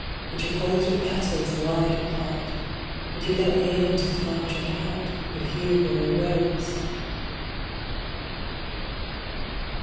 Would you hold your petals wide apart, Would you let me in to find your heart, If you were a rose?